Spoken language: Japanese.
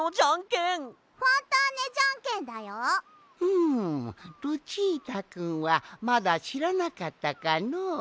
うむルチータくんはまだしらなかったかのう。